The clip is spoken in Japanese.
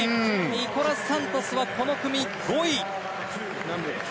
ニコラス・サントスはこの組５位。